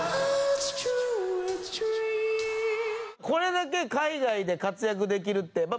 これだけ海外で活躍できるって。